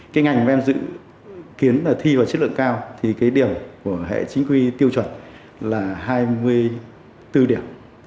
cái ngành mà em dự kiến là thi vào chất lượng cao thì cái điểm của hệ chính quy tiêu chuẩn là hai mươi bốn điểm